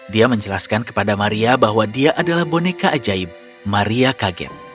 dia menjelaskan kepada maria bahwa dia adalah boneka ajaib maria kaget